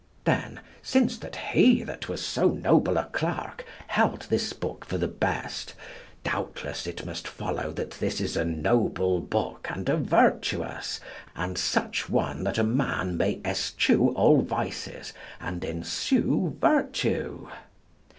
Then since that he that was so noble a clerk held this book for the best, doubtless it must follow that this is a noble book and a virtuous, and such one that a man may eschew all vices and ensue virtue.